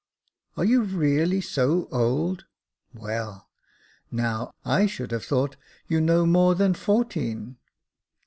" Are you really so old ! well, now, I should have thought you no more than fourteen."